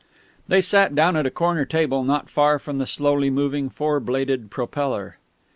They sat down at a corner table not far from the slowly moving four bladed propeller.